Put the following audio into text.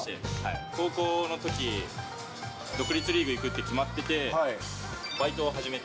高校のとき、独立リーグいくって決まってて、バイトを始めて。